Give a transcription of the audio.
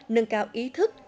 nâng cao ý thức